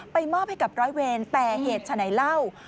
มอบให้กับร้อยเวรแต่เหตุฉะไหนเล่า